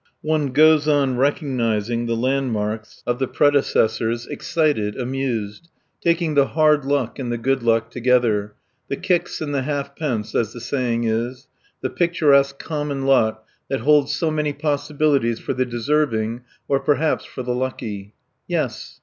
One goes on recognizing the landmarks of the predecessors, excited, amused, taking the hard luck and the good luck together the kicks and the half pence, as the saying is the picturesque common lot that holds so many possibilities for the deserving or perhaps for the lucky. Yes.